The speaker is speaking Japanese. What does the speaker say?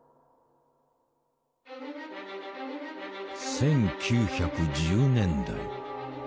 １９１０年代。